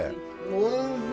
おいしい！